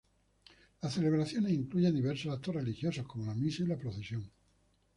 Las celebraciones incluyen diversos actos religiosos como la misa y la procesión.